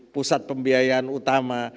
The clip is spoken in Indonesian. pusat pembiayaan utama